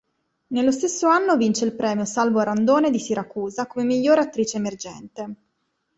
Nello stesso anno vince il premio "Salvo Randone" di Siracusa, come miglior attrice emergente.